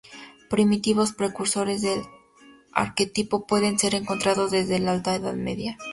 Primitivos precursores del arquetipo pueden ser encontrados desde la Alta Edad Media.